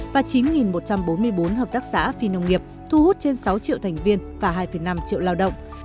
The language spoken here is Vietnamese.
và chín một trăm bốn mươi bốn hợp tác xã phi nông nghiệp thu hút trên sáu triệu thành viên và hai năm triệu lao động